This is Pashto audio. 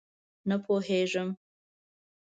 _نه پوهېږم!